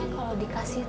kalo dikasih tau ya